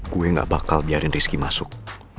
gue gak bakal biarin rizki masuk